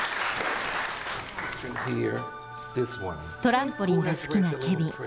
トランポリンが好きなケビン。